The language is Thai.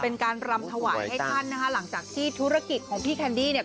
เป็นการรำถวายให้ท่านนะคะหลังจากที่ธุรกิจของพี่แคนดี้เนี่ย